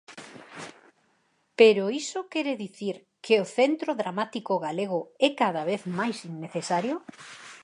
¿Pero iso quere dicir que o Centro Dramático Galego é cada vez máis innecesario?